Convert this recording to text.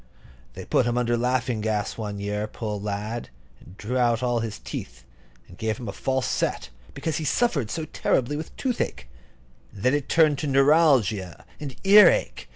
They put him under laughing gas one year, poor lad, and drew all his teeth, and gave him a false set, because he suffered so terribly with toothache; and then it turned to neuralgia and ear ache.